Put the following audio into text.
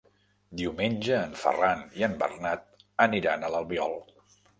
Diumenge en Ferran i en Bernat aniran a l'Albiol.